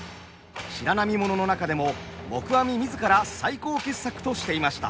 「白浪もの」の中でも黙阿弥自ら最高傑作としていました。